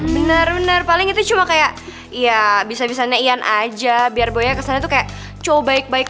bener bener paling itu cuma kayak ya bisa bisanya iyan aja biar boynya kesannya tuh kayak cowo baik baik